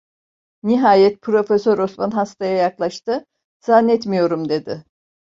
Nihayet Profesör Osman hastaya yaklaştı: "Zannetmiyorum!" dedi.